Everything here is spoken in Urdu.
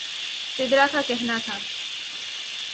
سدرا کا کہنا تھا